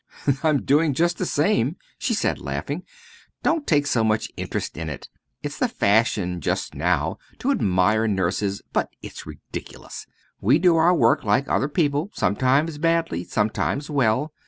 "I'm doing just the same," she said, laughing. "Don't take so much interest in it. It's the fashion just now to admire nurses; but it's ridiculous. We do our work like other people sometimes badly, sometimes well.